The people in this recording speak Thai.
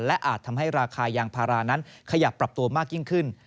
และอาจทำให้ราคายางพารานั้นขยับปรับตัวมากยิ่งขึ้น